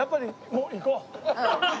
もう店行こう。